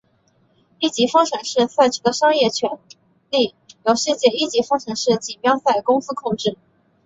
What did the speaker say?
一级方程式赛车的商业权利由世界一级方程式锦标赛公司控制。